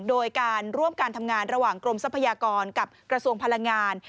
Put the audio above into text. โดยการร่วมการทำงานระหว่างกรมทรัพยากรกับกระทรวงพลังงาน